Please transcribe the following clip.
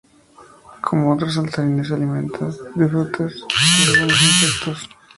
Como otros saltarines se alimenta de frutas y algunos insectos.